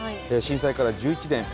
震災から１１年。